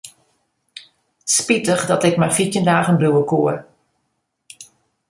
Spitich dat ik mar fjirtjin dagen bliuwe koe.